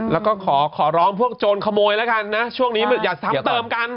แล้วก็ขอร้องพวกโจรขโมยแล้วกันนะช่วงนี้อย่าซ้ำเติมกัน